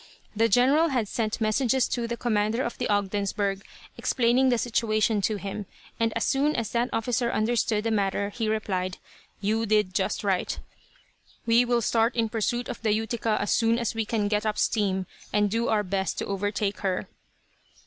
The general had sent messages to the commander of the Ogdensburgh, explaining the situation to him, and as soon as that officer understood the matter he replied, "You did just right." "We will start in pursuit of the Utica as soon as we can get up steam, and do our best to overtake her."